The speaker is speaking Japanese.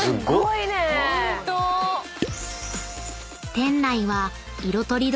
［店内は］